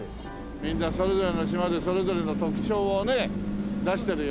みんなそれぞれの島でそれぞれの特長をね出してるよね。